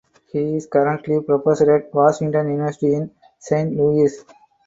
He is currently Professor at Washington University in Saint Louis.